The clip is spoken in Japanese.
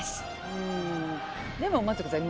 うんでも待ってください。